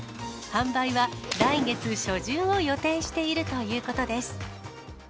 販売は来月初旬を予定しているということです。